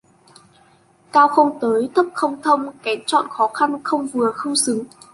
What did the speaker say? Cao không tới, thấp không thông: kén chọn khó khăn, không vừa, không xứng